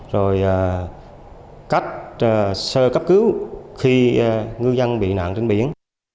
rồi cách sơ cấp cứu khi ngư dân bị nạn trên biển